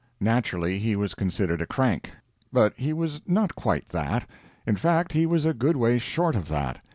Naturally, he was considered a crank. But he was not quite that. In fact, he was a good way short of that.